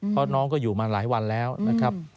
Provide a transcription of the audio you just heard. เพราะน้องก็อยู่มาหลายวันแล้วนะครับ